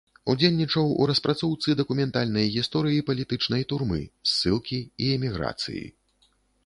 Удзельнічаў у распрацоўцы дакументальнай гісторыі палітычнай турмы, ссылкі і эміграцыі.